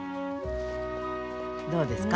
どうですか？